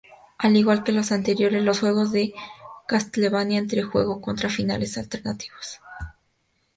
Al igual que los anteriores juegos de Castlevania, este juego cuenta con finales alternativos.